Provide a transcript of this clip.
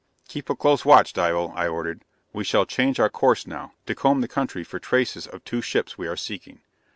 "Keep a close watch, Dival," I ordered. "We shall change our course now, to comb the country for traces of two ships we are seeking.